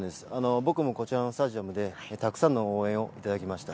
僕もこちらのスタジアムでたくさんの応援をいただきました。